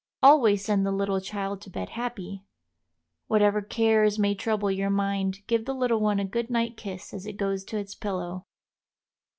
Always send the little child to bed happy. Whatever cares may trouble your mind give the little one a good night kiss as it goes to its pillow.